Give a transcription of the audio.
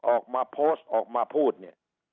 ออกมาโพสต์ออกมาพูดเนี่ย